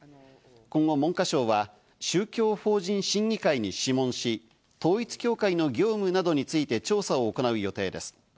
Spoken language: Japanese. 今後、文科省は宗教法人審議会に諮問し、統一教会の業務などについて調査を行う予定です。